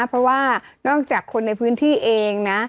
เพราะว่านอกจากคนในพื้นที่เองนะ